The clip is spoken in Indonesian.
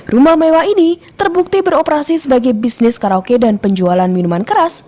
rumah mewah ini terbukti beroperasi sebagai bisnis karaoke dan penjualan minuman keras